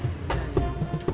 terima kasih bang ojak